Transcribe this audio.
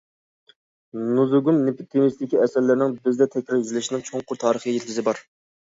« نۇزۇگۇم» تېمىسىدىكى ئەسەرلەرنىڭ بىزدە تەكرار- يېزىلىشىنىڭ چوڭقۇر تارىخى يىلتىزى بار.